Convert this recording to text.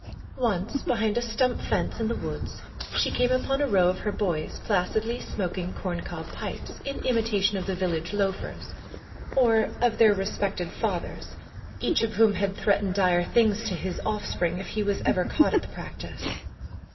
Once behind a stump fence in the woods she came upon a row of her boys placidly smoking corn cob pipes, in imitation of the village loafers—or of their respected fathers, each of whom had threatened dire things to his offspring if he was ever caught at the practice.